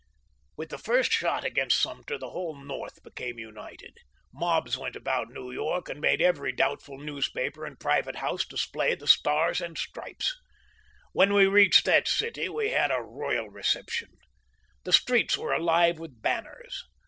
With the first shot against Sumter the whole North became united. Mobs went about New York and made every doubtful newspaper and private house display the Stars and Stripes. When we reached that city we had a royal reception. The streets were alive with banners.